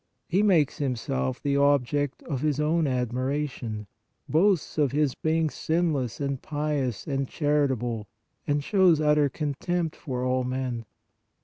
He makes himself the object of his own admiration, boasts of his being sinless and pious and charitable and shows utter contempt for all men.